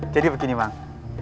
jadi begini bang